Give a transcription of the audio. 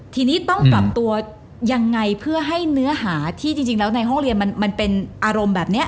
ทีนี้ต้องปรับตัวยังไงเพื่อให้เนื้อหาที่จริงแล้วในห้องเรียนมันเป็นอารมณ์แบบนี้